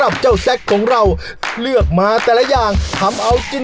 หัวปรอบอันนี้